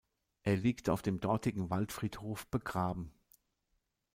Er liegt auf dem dortigen Waldfriedhof begraben.